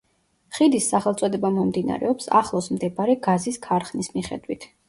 ხიდის სახელწოდება მომდინარეობს ახლოს მდებარე გაზის ქარხნის მიხედვით.